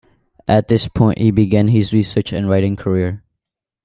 At this point, he began his research and writing career.